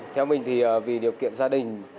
theo mình thì vì điều kiện gia đình